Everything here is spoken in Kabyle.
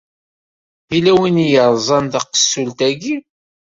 Yella win i yeṛẓan taqessult-aki.